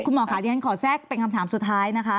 คุณหมอขาเรียนขอแทรกเป็นคำถามสุดท้าย